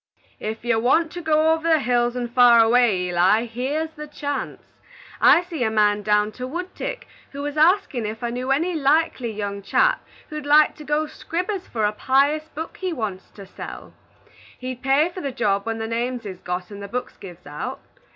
"Ef you want ter go over the hills and far away, Eli, here's the chance. I see a man down to Woodtick who was askin' ef I knew any likely young chap who'd like to git 'scribers for a pious book he wants to sell. He'd pay for the job when the names is got and the books give out.